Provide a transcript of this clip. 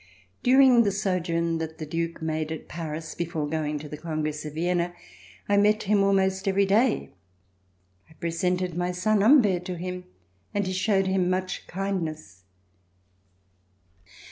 During the sojourn that the Duke made at Paris, before going to the Congress of Vienna, I met hini almost every day. I presented my son Humbert to him, and he showed him much kindness.